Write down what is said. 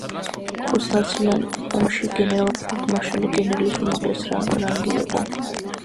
ოცდაათწლიან ომში გენერალ-ფელდმარშალი გენერლის უმაღლესი რანგი იყო.